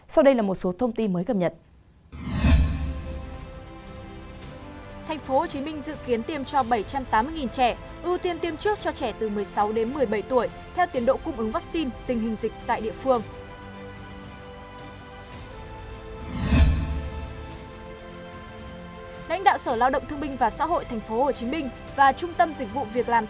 sau đây là một số thông tin mới cập nhật